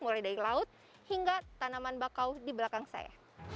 mulai dari laut hingga tanaman bakau di belakang saya